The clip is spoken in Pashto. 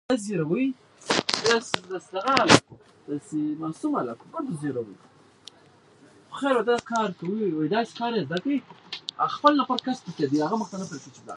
عقل څنګه مغلوب کیږي؟